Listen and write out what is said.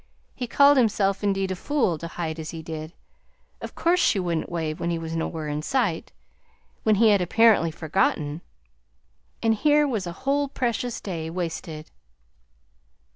He called himself, indeed, a fool, to hide as he did. Of course she wouldn't wave when he was nowhere in sight when he had apparently forgotten! And here was a whole precious day wasted!